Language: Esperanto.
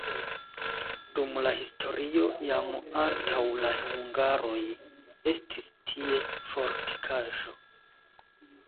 Dum la historio jam antaŭ la hungaroj estis tie fortikaĵo.